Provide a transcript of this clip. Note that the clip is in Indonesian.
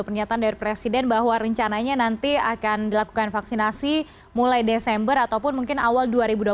pernyataan dari presiden bahwa rencananya nanti akan dilakukan vaksinasi mulai desember ataupun mungkin awal dua ribu dua puluh satu